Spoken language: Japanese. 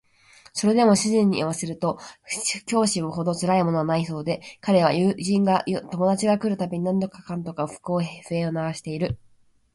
それでも主人に言わせると教師ほどつらいものはないそうで彼は友達が来る度に何とかかんとか不平を鳴らしている